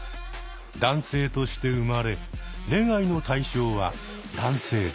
男性として生まれ恋愛の対象は男性です。